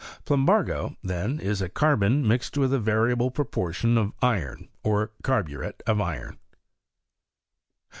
Plumbago, then, is carbon mixed with a variable proportion of iron, or carburet of iron.